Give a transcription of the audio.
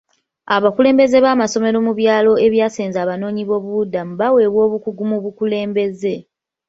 Abakulembeze b'amasomero mu byalo ebyasenza abanoonyi b'obubuddamu baweebwa obukugu mu bukulembeze.